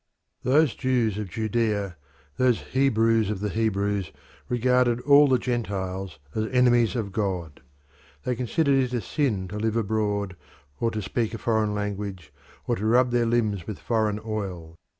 Those Jews of Judea, those Hebrews of the Hebrews, regarded all the Gentiles as enemies of God; they considered it a sin to live abroad, or to speak a foreign language, or to rub their limbs with foreign oil.